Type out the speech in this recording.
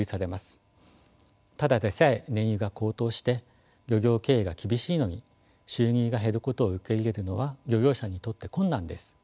ただでさえ燃油が高騰して漁業経営が厳しいのに収入が減ることを受け入れるのは漁業者にとって困難です。